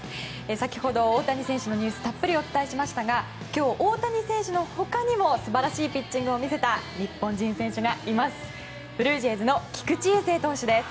先ほど、大谷選手のニュースをたっぷりお伝えしましたが今日、大谷選手の他にも素晴らしいピッチングを見せた日本人選手がいます。